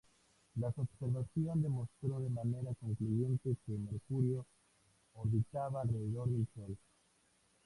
La observación demostró de manera concluyente que Mercurio orbitaba alrededor del Sol.